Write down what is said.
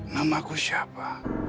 nama aku siapa